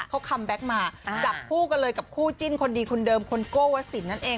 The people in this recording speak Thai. เขาคัมแบ็กมากับผู้กันเลยกับผู้จิ้นคนดีคุณเดิมคนโกวศิลป์นั่นเอง